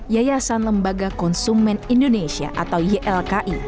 yayasan lembaga konsumen indonesia atau ylki